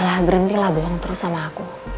udah lah berhenti lah bohong terus sama aku